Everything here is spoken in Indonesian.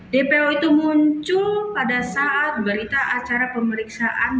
dpo itu muncul pada saat berita acara pemeriksaan